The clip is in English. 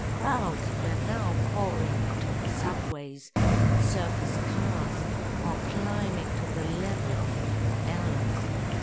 Crowds were now pouring into the subways and surface cars or climbing to the level of the "L's."